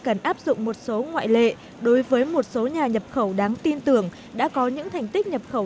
cần áp dụng một số ngoại lệ đối với một số nhà nhập khẩu đáng tin tưởng đã có những thành tích nhập khẩu